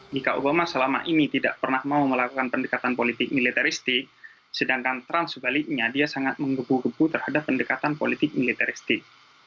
jika obama selama ini tidak pernah mau melakukan pendekatan politik militeristik sedangkan trump sebaliknya dia sangat menggebu gebu terhadap pendekatan politik militaristik